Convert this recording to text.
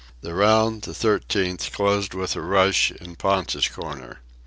The round, the thirteenth, closed with a rush, in Ponta's corner.